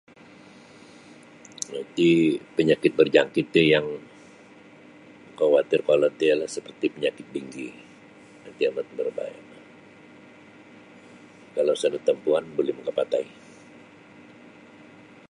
Iro tih penyakit berjangkit tih yang makawatir kolod ti seperti penyakit denggi dia agak berbahaya kalau sa natampuan buli makapatai.